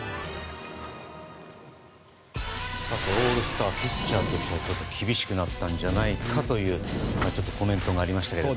オールスターピッチャーとしては厳しくなったんじゃないかというコメントがありましたが。